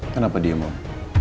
kenapa diam om